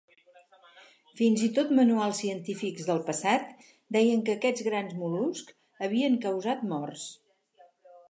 Fins i tot manuals científics del passat deien que aquests grans mol·luscs havien causat morts.